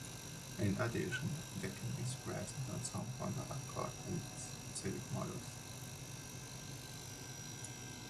In addition, the kink is present on some Honda Accord and Civic models.